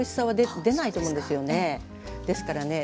ですからね